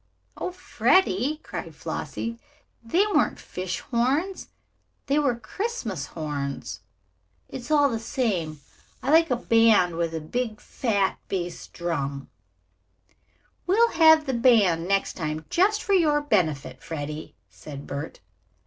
"Oh, Freddie!" cried Flossie. "They weren't fish horns. They were Christmas horns." "It's all the same. I like a band, with a big, fat bass drum." "We'll have the band next time just for your benefit, Freddie," said Bert.